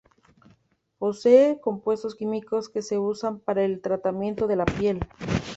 Posee compuestos químicos que se usan para el tratamiento de la piel.